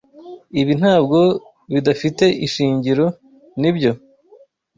Ibi ntabwo bidafite ishingiro, nibyo?